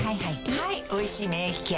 はい「おいしい免疫ケア」